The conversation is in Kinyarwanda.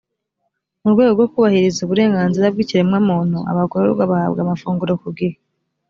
mu rwego rwo kubahiriza uburenganzira bw’ikiremwamuntu abagororwa bahabwa amafunguro ku gihe